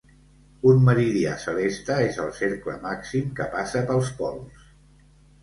Un meridià celeste és el cercle màxim que passa pels pols.